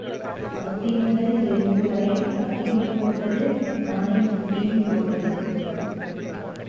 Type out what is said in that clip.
அத்தி முதல் எறும்பு வரை அத்தியும் பூத்தது ஆனை குட்டியும் போட்டது.